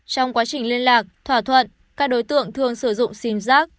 trong quá trình liên lạc thỏa thuận các đối tượng thường sử dụng sim giác